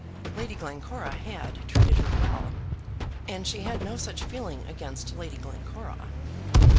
Lady Glencora had treated her well, and she had no such feeling against Lady Glencora.